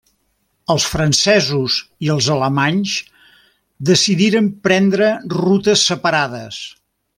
Els francesos i els alemanys decidiren prendre rutes separades.